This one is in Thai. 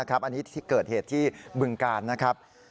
อันนี้ที่เกิดเหตุที่บึงกาลนะครับ